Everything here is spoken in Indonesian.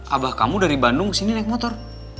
abah kamu dari bandung kesini naik motor